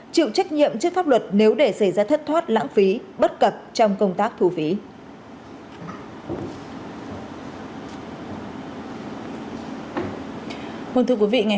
chịu trách nhiệm trước pháp luật nếu để xảy ra thất thoát lãng phí bất cập trong công tác thu phí